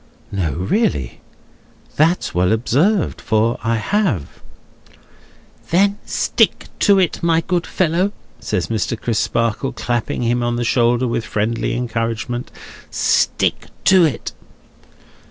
"No, really? That's well observed; for I have." "Then stick to it, my good fellow," says Mr. Crisparkle, clapping him on the shoulder with friendly encouragement, "stick to it."